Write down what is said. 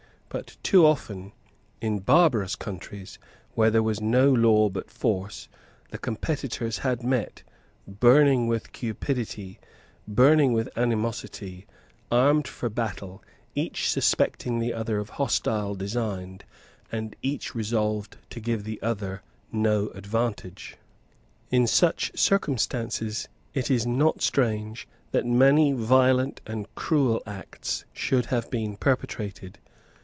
But too often, in barbarous countries, where there was no law but force, the competitors had met, burning with cupidity, burning with animosity, armed for battle, each suspecting the other of hostile designs and each resolved to give the other no advantage. In such circumstances it is not strange that many violent and cruel acts should have been perpetrated.